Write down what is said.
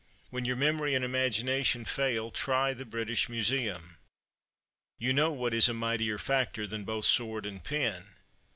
When your memory and imagination fail, try the British Museum. You know what is a mightier factor than both sword and pen?